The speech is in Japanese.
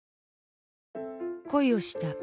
恋をした。